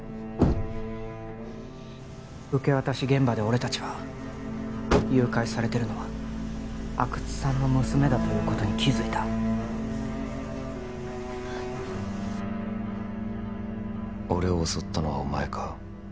受け渡し現場で俺達は誘拐されてるのは阿久津さんの娘だということに気づいた俺を襲ったのはお前か？